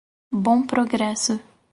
Bom Progresso